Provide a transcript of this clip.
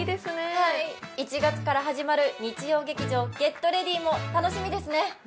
はい１月から始まる日曜劇場「ＧｅｔＲｅａｄｙ！」も楽しみですね